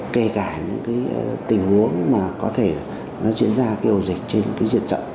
kể cả những tình huống mà có thể diễn ra ổ dịch trên diện trận